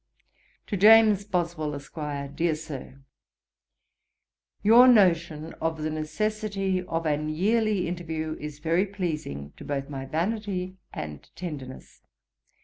'To JAMES BOSWELL, ESQ. 'DEAR SIR, 'Your notion of the necessity of an yearly interview is very pleasing to both my vanity and tenderness.